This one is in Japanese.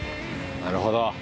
なるほど。